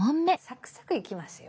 サクサクいきますよ。